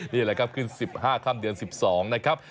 นี่แหละครับขึ้น๑๕ค่ำเดือน๑๒นะครับ